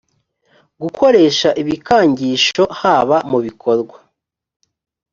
gukoresha ibikangisho haba mu bikorwa